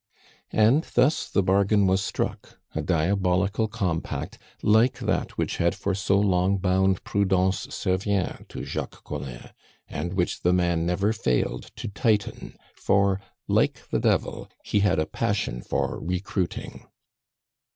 And thus the bargain was struck, a diabolical compact like that which had for so long bound Prudence Servien to Jacques Collin, and which the man never failed to tighten; for, like the Devil, he had a passion for recruiting.